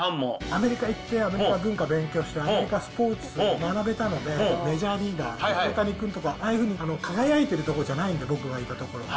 アメリカ行って、アメリカの文化勉強して、アメリカスポーツ学べたので、メジャーリーガー、大谷君とか、ああいうふうに輝いてるところじゃないんで、僕がいたところ。